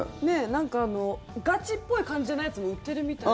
なんかガチっぽい感じじゃないやつも売ってるみたい。